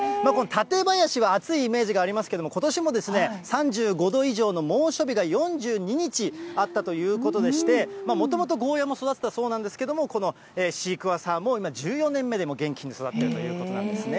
舘林は暑いイメージがありますけども、ことしも３５度以上の猛暑日が４２日あったということでして、もともとゴーヤも育ててたそうなんですけども、このシークワーサーも今、１４年目で元気に育っているということなんですね。